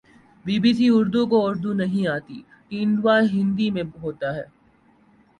be B C Urdu کو اردو نہیں آتی تیندوا ہندی میں ہوتاہے